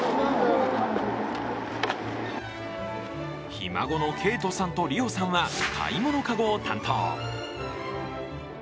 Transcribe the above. ひ孫の恵都さんと璃生さんは買い物かごを担当。